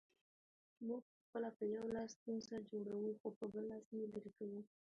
موږ پخپله په یو لاس ستونزه جوړوو، خو په بل لاس یې لیري کوو